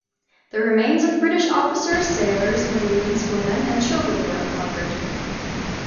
The remains of British officers, sailors, marines, women, and children were uncovered.